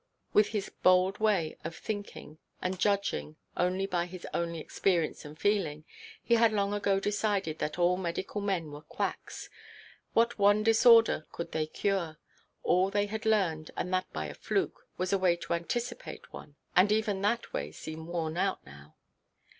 With his bold way of thinking, and judging only by his own experience and feeling, he had long ago decided that all medical men were quacks. What one disorder could they cure? All they had learned, and that by a fluke, was a way to anticipate one: and even that way seemed worn out now.